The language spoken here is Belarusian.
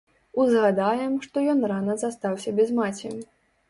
Узгадаем, што ён рана застаўся без маці.